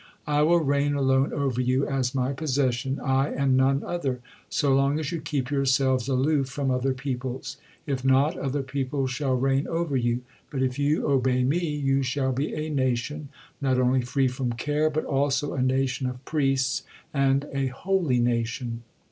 I will reign alone over you, as My possession, I and none other, so long as you keep yourselves aloof from other peoples. If not, other peoples shall reign over you. But if you obey Me, you shall be a nation, not only free from care, but also a nation of priests, and a holy nation."